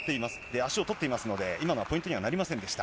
足を取っていますので、今のはポイントにはなりませんでした。